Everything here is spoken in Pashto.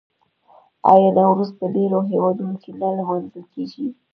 آیا نوروز په ډیرو هیوادونو کې نه لمانځل کیږي؟